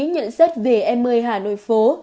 nhận xét về em ơi hà nội phố